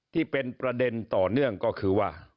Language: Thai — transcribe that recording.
ที่เป็นประเด็นต่อเนื่องก็คือว่า